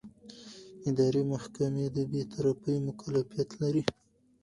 اداري محکمې د بېطرفۍ مکلفیت لري.